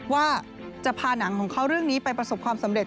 ว่าจะพาหนังของเขาเรื่องนี้ไปประสบความสำเร็